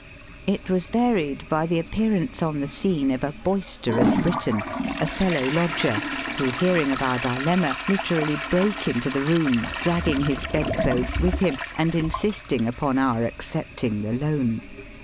It was varied by the appearance on the scene of a boisterous Briton, a fellow lodger, who, hearing of our dilemna, literally broke into the room, dragging his bed clothes with him, and insisting upon our accepting the loan.